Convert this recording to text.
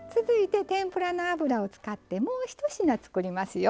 続いて天ぷらの油を使ってもう１品作りますよ。